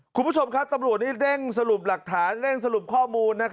ครูผู้ชมครับตำรวจนี่เร่งสรุปหลักฐาน